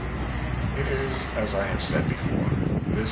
'" It is as I have said before.